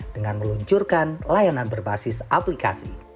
dengan meluncurkan layanan berbasisnya